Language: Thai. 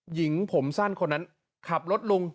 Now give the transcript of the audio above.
หญิงผมสั้นคนนั้นขับรถลุง